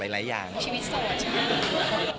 ชีวิตโสดใช่ไหมครับ